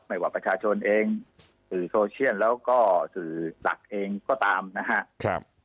ไม่ว่าประชาชนเองสื่อโซเชียลแล้วก็สื่อหลักเองก็ตามนะครับ